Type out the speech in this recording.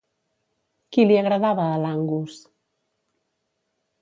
Qui li agradava a l'Angus?